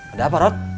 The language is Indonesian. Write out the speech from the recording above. ada apa rod